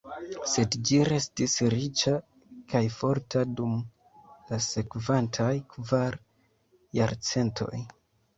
Sed ĝi restis riĉa kaj forta dum la sekvantaj kvar jarcentoj.